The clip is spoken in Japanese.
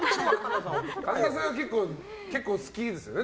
神田さんは結構好きですよね。